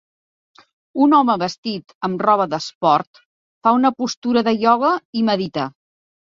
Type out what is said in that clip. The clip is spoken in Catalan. Un home vestit amb roba d'esport fa una postura de ioga i medita.